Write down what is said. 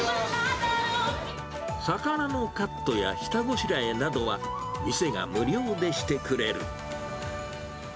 魚のカットや下ごしらえなどは店が無料でしてくれる。